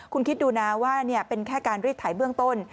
คุณคิดดูนะว่าเนี่ยเป็นแค่การรีดถ่ายเบื้องต้น